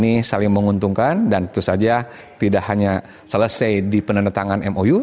ini saling menguntungkan dan tentu saja tidak hanya selesai di penandatangan mou